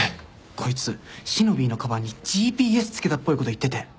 こいつしのびぃのかばんにＧＰＳ付けたっぽいこと言ってて。